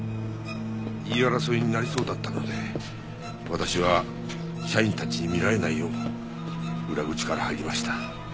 言い争いになりそうだったので私は社員たちに見られないよう裏口から入りました。